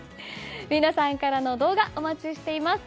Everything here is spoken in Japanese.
皆さんからの動画お待ちしています。